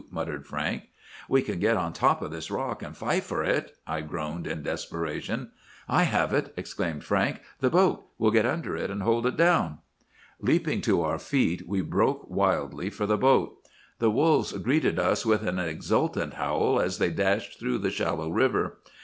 muttered Frank. "'We can get on top of this rock, and fight for it,' I groaned in desperation. "'I have it!' exclaimed Frank. 'The boat! We'll get under it, and hold it down!' "Leaping to our feet we broke wildly for the boat. The wolves greeted us with an exultant howl as they dashed through the shallow river.